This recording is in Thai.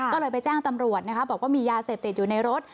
ก็เลยไปแจ้งตำรวจนะคะบอกว่ามียาเสพติดอยู่ในรถ